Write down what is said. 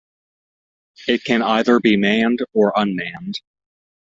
It can either be manned or unmanned.